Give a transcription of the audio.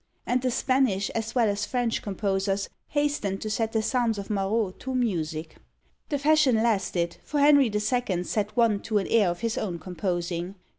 And the Spanish as well as French composers hastened to set the Psalms of Marot to music. The fashion lasted, for Henry the Second set one to an air of his own composing.